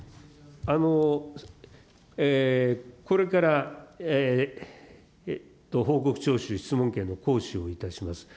これから報告徴収、質問権の行使をいたします。